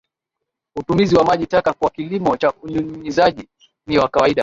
Utumizi wa maji taka kwa kilimo cha unyunyizaji ni wa kawaida